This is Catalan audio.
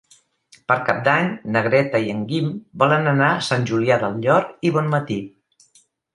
Per Cap d'Any na Greta i en Guim volen anar a Sant Julià del Llor i Bonmatí.